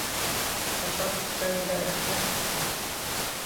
— Ташлап китмәгәнгә рәхмәт, тим.